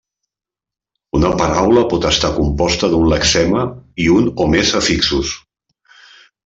Una paraula pot estar composta d'un lexema i un o més afixos.